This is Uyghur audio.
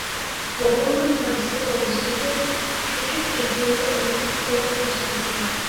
ئوغلۇمنىڭ دادىسى توغرىسىدىكى چۈچۈك گەپلىرىنى ئامراقلىق بىلەن تىڭشايتتىم.